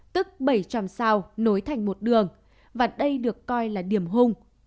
tức bảy trăm linh sao nối thành một đường và đây được coi là điểm hung